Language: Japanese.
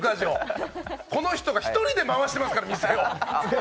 この人が店を１人で回していますから。